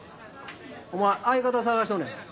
お前相方探しとんのやろ？